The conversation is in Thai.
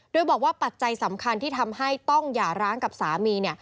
โดยบอกว่าปัจจัยสำคัญที่ทำให้ต้องหย่าร้างกับสามีเนี่ย